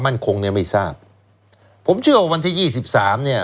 มั่นคงเนี่ยไม่ทราบผมเชื่อว่าวันที่ยี่สิบสามเนี่ย